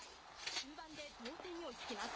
終盤で同点に追いつきます。